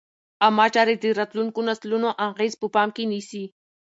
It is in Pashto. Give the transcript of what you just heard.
عامه چارې د راتلونکو نسلونو اغېز په پام کې نیسي.